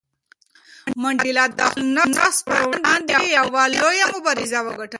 منډېلا د خپل نفس پر وړاندې یوه لویه مبارزه وګټله.